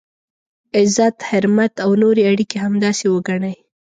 عزت، حرمت او نورې اړیکي همداسې وګڼئ.